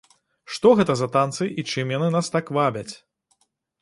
Што гэта за танцы і чым яны нас так вабяць?